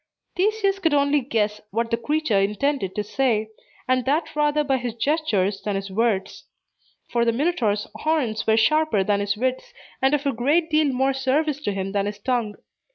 Theseus could only guess what the creature intended to say, and that rather by his gestures than his words; for the Minotaur's horns were sharper than his wits, and of a great deal more service to him than his tongue.